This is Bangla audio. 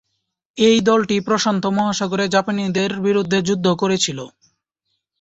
এ দলটি প্রশান্ত মহাসাগরে জাপানিদের বিরুদ্ধে যুদ্ধ করেছিল।